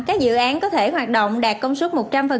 các dự án có thể hoạt động đạt công suất một trăm linh